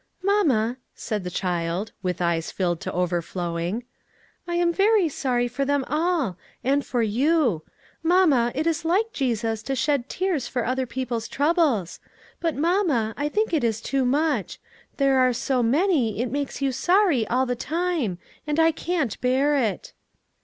"Mamma," said the child, with eyes filled to overflowing, "I am very sorry for them all, and for you. Mamma, it is like Jesus to shed tears for other people's troubles: but, mamma, I think it is too much; there are so many, it makes you sorry all the time, and I can't bear it."